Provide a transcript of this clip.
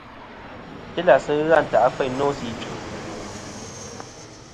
Telàsɨ ghɨ a ntè' afeyn nô sɨ idvɨ̀.